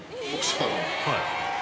はい。